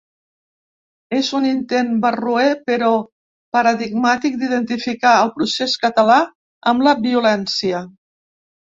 És un intent barroer però paradigmàtic d’identificar el procés català amb la violència.